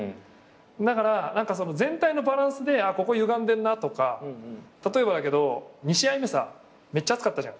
だから全体のバランスでここゆがんでんなとか例えばだけど２試合目さめっちゃ暑かったじゃん。